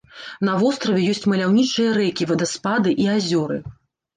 На востраве ёсць маляўнічыя рэкі, вадаспады і азёры.